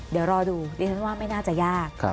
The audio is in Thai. เดี๋ยวรอดูดิฉันว่าไม่น่าจะยาก